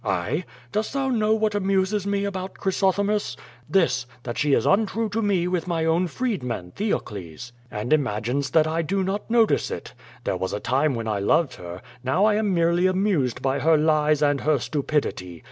"I? Dost thou know what amuses me about Chrysothe mis? This, that she is untrue to me with my own freedman, Theocles, and imagines that I do not notice it. There was a time when I loved her, now I am merely amused by her lies and her stupidity.